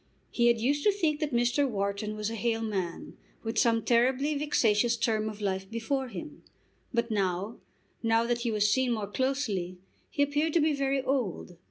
He had used to think that Mr. Wharton was a hale man, with some terribly vexatious term of life before him. But now, now that he was seen more closely, he appeared to be very old.